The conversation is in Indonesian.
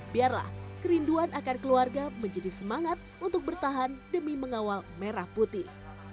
biarlah kerinduan akan keluarga menjadi semangat untuk bertahan demi mengawal merah putih